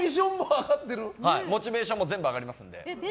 モチベーションも全部上がりますので。